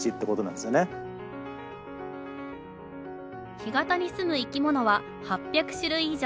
干潟に住む生き物は８００種類以上。